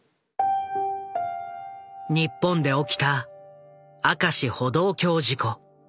日本で起きた明石歩道橋事故。